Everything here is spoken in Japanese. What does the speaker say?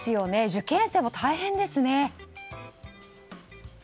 受験生も大変ですね。